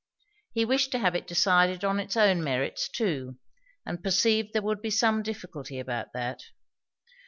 He wished to have it decided on its own merits too; and perceived there would be some difficulty about that.